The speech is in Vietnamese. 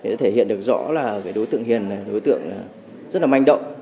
đã thể hiện được rõ là đối tượng hiền là đối tượng rất là manh động